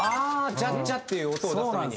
ジャッジャッ！っていう音を出すために。